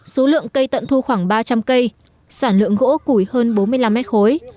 số lượng cây tận thu khoảng ba trăm linh cây sản lượng gỗ củi hơn bốn mươi năm mét khối